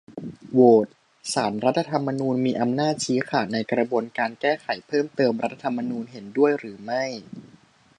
โหวต : ศาลรัฐธรรมนูญมีอำนาจชี้ขาดในกระบวนการแก้ไขเพิ่มเติมรัฐธรรมนูญ เห็นด้วยหรือไม่ ?